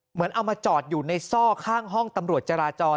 เหมือนเอามาจอดอยู่ในซ่อข้างห้องตำรวจจราจร